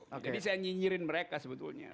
jadi saya nyinyirin mereka sebetulnya